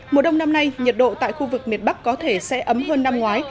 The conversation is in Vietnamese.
mùa đông năm nay nhiệt độ tại khu vực miền bắc có thể sẽ ấm hơn năm ngoái